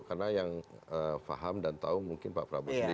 karena yang faham dan tahu mungkin pak prabowo sendiri